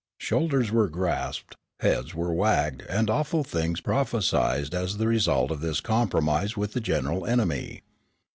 Shoulders were grasped, heads were wagged and awful things prophesied as the result of this compromise with the general enemy.